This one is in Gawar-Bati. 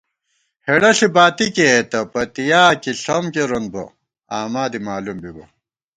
ہېڑہ ݪی باتی کئیېتہ، پَتِیا کی ݪم کېرون بہ آماں دی مالُوم بِبہ